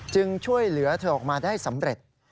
ช่วยเหลือเธอออกมาได้สำเร็จ